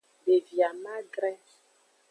Devi amadre.